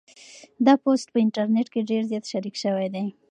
دا پوسټ په انټرنيټ کې ډېر زیات شریک شوی دی.